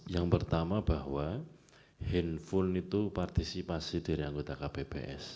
yang pertama bahwa handphone itu partisipasi dari anggota kpps